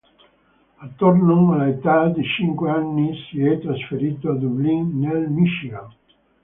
Attorno all'età di cinque anni si è trasferito a Dublin nel Michigan.